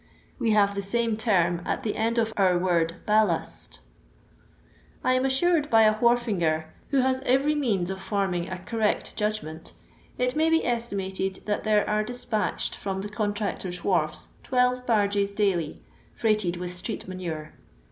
We have the same term at the end of our word htX lcut, I am assured by a wharfinger, who has every means of forming a correct judgment, it may be estimated that there are dispatched from the contractors' wharfs twelve barges daily, freighted with strec;t manure.